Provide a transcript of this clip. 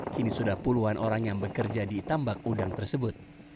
kini sudah puluhan orang yang bekerja di tambak udang tersebut